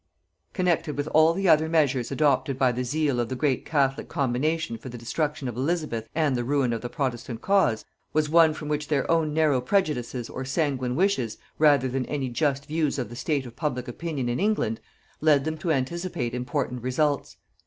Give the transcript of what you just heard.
Connected with all the other measures adopted by the zeal of the great catholic combination for the destruction of Elizabeth and the ruin of the protestant cause, was one from which their own narrow prejudices or sanguine wishes, rather than any just views of the state of public opinion in England, led them to anticipate important results.